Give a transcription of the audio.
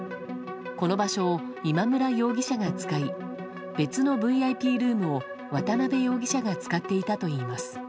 この場所を今村容疑者が使い別のＶＩＰルームを渡辺容疑者が使っていたといいます。